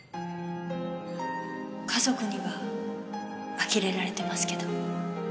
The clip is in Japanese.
家族にはあきれられてますけど。